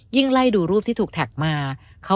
ไล่ดูรูปที่ถูกแท็กมา